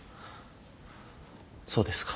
そうですか。